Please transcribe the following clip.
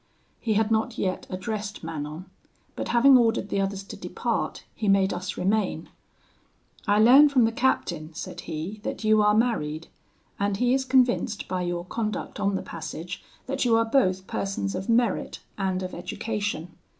He had not yet addressed Manon; but having ordered the others to depart, he made us remain. 'I learn from the captain,' said he, 'that you are married, and he is convinced by your conduct on the passage that you are both persons of merit and of education.